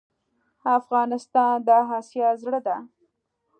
افغانستان د آسیا زړه ده.